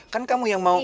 kan kamu yang mau